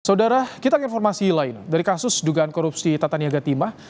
saudara kita ke informasi lain dari kasus dugaan korupsi tata niaga timah